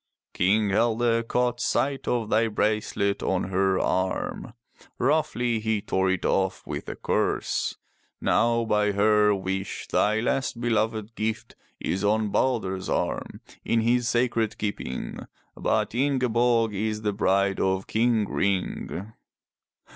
King Helge caught sight of thy bracelet on her arm. Roughly he tore it off with a curse. Now by her wish thy last beloved gift is on Balder's arm, in his sacred keeping, but Ingeborg is the bride of King Ring.''